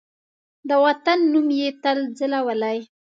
د وطن نوم یې تل ځلولی